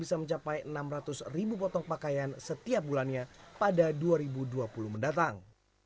bisa mencapai enam ratus ribu potong pakaian setiap bulannya pada dua ribu dua puluh mendatang